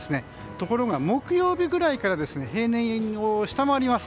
ところが木曜日くらいから平年を下回ります。